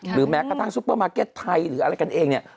แม้กระทั่งซุปเปอร์มาร์เก็ตไทยหรืออะไรกันเองเนี่ย